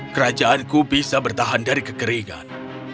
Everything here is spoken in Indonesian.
kerajaanku bisa bertahan dari kekeringan